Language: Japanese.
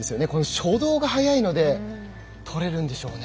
初動が早いので取れるんでしょうね。